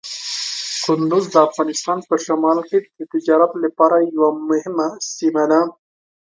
کندز د افغانستان په شمال کې د تجارت لپاره یوه مهمه سیمه ده.